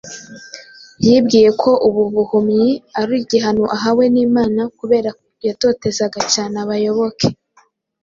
Yibwiye ko ubu buhumyi ari igihano ahawe n’Imana kubera ko yatotezaga cyane abayoboke